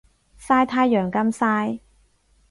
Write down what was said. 曬太陽咁曬